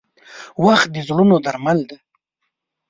• وخت د زړونو درمل دی.